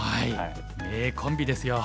名コンビですよ。